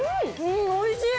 おいしい。